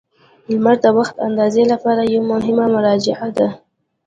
• لمر د وخت اندازې لپاره یوه مهمه مرجع ده.